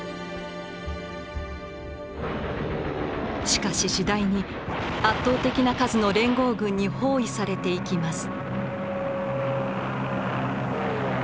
しかし次第に圧倒的な数の連合軍に包囲されていきます。